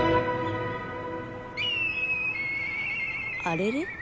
あれれ？